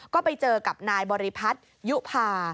ก็ไปเจอกับนายบริพัทยุภา